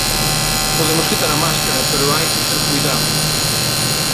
Podemos quitar a máscara pero hai que ter coidado.